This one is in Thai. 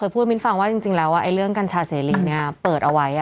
เพราะว่าเรื่องกัญชาเสร็จนี้เปิดเอาไว้